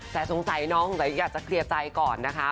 แต่สงสัยน้องอยากจะเคลียร์ใจก่อนนะคะ